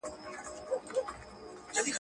پرسینه د خپل اسمان مي لمر لیدلی ځلېدلی ..